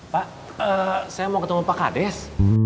pak saya mau ketemu pak kades